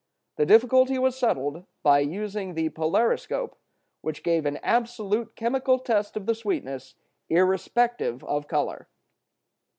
The difficulty was settled by using the polariscope, which gave an absolute chemical test of the sweetness, irrespective of color.